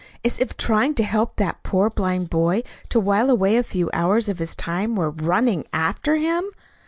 "As if trying to help that poor blind boy to while away a few hours of his time were RUNNING AFTER HIM."